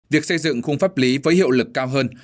việc xây dựng khung pháp lý với hiệu lực cao hơn